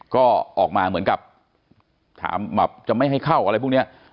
ก็ออกมาเหมือนกับถามแบบจะไม่ให้เข้าอะไรพวกนี้